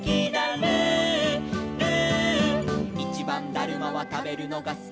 「ルールー」「いちばんだるまはたべるのがすき」